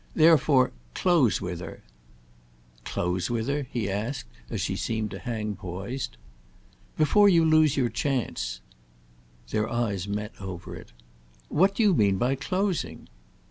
"Therefore close with her—!" "Close with her?" he asked as she seemed to hang poised. "Before you lose your chance." Their eyes met over it. "What do you mean by closing?"